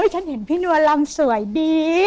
ฉันเห็นพี่นัวลำสวยดี